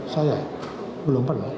saya belum pernah